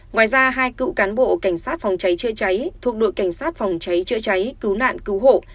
ngoài ra hai cựu cán bộ cảnh sát phòng cháy chữa cháy thuộc đội cảnh sát phòng cháy chữa cháy cứu nạn cứu hộ